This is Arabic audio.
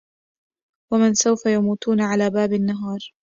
ومن سوف يموتون على باب النهار